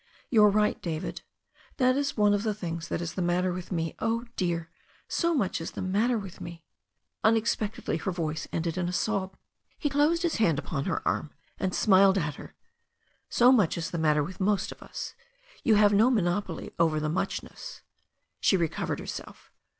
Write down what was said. "You are right, David. That is one of the things that is the matter with me — oh, dear, so much is the matter with me." Unexpectedly her voice ended in a sob. He closed his hand upon her arm, and smiled at her. "So much is the matter with most of us. You have no monopoly over the muchness." She recovered herself.